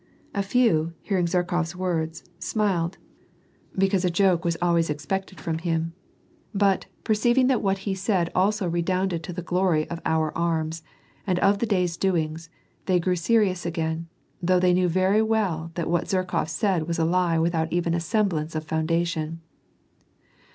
'' A few, hearing Zlierkofs words, smiled, l)ecause a joke woii WAR AND PEACE, 237 always expected from him ; but, perceiving that what be said also redounded to the glory of our arms, and of the day's doings, they grew serious again, though they knew very well that what Zherkof said was a lie without even a semblance of founda tion.